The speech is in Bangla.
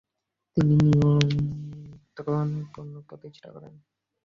তিনি নিয়ন্ত্রণ পুনপ্রতিষ্ঠা করেন।